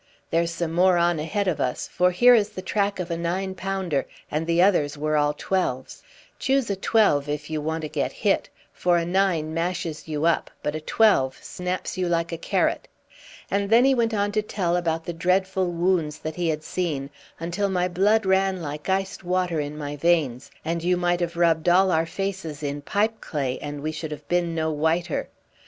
There's some more on ahead of us, for here is the track of a nine pounder, and the others were all twelves. Choose a twelve if you want to get hit; for a nine mashes you up, but a twelve snaps you like a carrot." And then he went on to tell about the dreadful wounds that he had seen, until my blood ran like iced water in my veins, and you might have rubbed all our faces in pipeclay and we should have been no whiter.